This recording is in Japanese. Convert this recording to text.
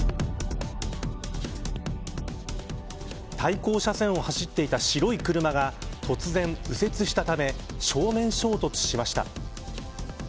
対向車線を走っていた白い車が突然、右折したため正面衝突しました。